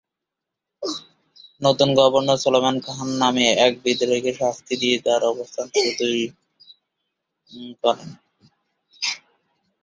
নতুন গভর্নর সুলায়মান খান নামে এক বিদ্রোহীকে শাস্তি দিয়ে তাঁর অবস্থান সুদৃঢ় করেন।